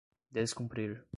descumprir